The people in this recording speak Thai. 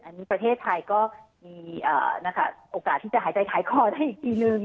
อันนี้ประเทศไทยก็มีโอกาสที่จะหายใจหายคอได้อีกทีนึง